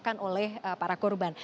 dengan apa yang dirasakan oleh para korban